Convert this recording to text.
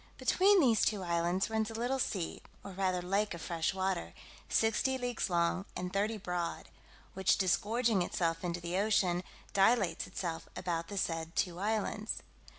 Between these two islands runs a little sea, or rather lake of fresh water, sixty leagues long, and thirty broad; which disgorging itself into the ocean, dilates itself about the said two islands.